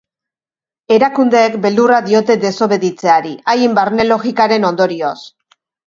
Erakundeek beldurra diote desobeditzeari, haien barne logikaren ondorioz.